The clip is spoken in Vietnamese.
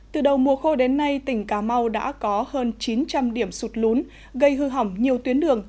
từ đầu mùa khô đến nay tỉnh cà mau đã có hơn chín trăm linh điểm sụt lún gây hư hỏng nhiều tuyến đường